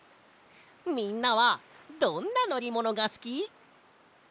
みんなはどんなのりものがすき？